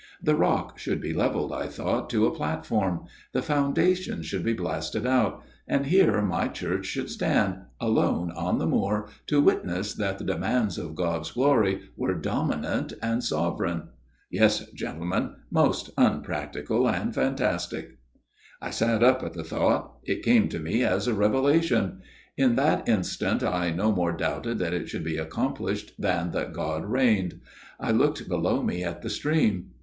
The rock should be levelled, I thought, to a platform. The foundations should be blasted out, and here my church should stand, alone on the moor, to witness that the demands of God's glory were dominant and sovereign ... Yes, gentlemen, most unpractical and fantastic. ..." I sat up at the thought. It came to me as FATHER GIRDLESTONE'S TALE 97 a revelation. In that instant I no more doubted that it should be accomplished than that God reigned. I looked below me at the stream.